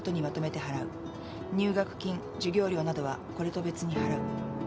入学金授業料などはこれと別に払う」